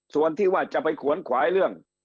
ส่วนที่ว่าจะไปขวนขวายเรื่อง